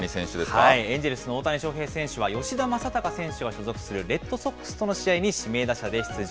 エンジェルスの大谷翔平選手は、吉田正尚選手が所属するレッドソックスとの試合に指名打者で出場。